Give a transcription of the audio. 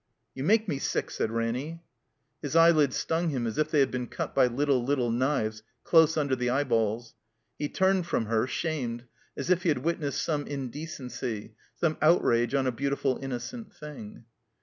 "You make me sick," said Ranny. His eyelids stung him as if they had been cut by little, little knives close under the eyeballs. He turned from her, shamed, as if he had witnessed some indecency, some outrage on a beautiful inno cent thing.